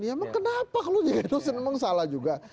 ya emang kenapa kalau gaya dosen emang salah juga